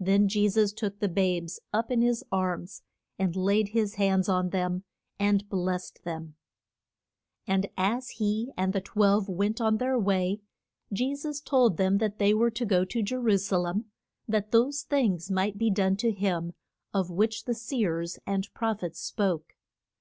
Then Je sus took the babes up in his arms, and laid his hands on them, and blest them. And as he and the twelve went on their way, Je sus told them that they were to go to Je ru sa lem that those things might be done to him of which the seers and proph ets spoke.